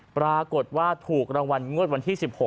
ปรากฏว่าถูกรางวัลงวดวันที่๑๖